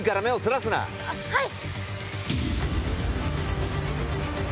はい！